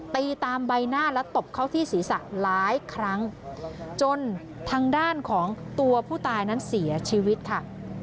ตีตามใบหน้าและตบเข้าที่ศีรษะหลายครั้งจนทางด้านของตัวผู้ตายนั้นเสียชีวิตค่ะ